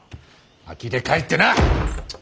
あきれ返ってな！